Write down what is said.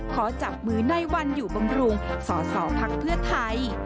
ขอจับมือในวันอยู่บำรุงสอสอภักดิ์เพื่อไทย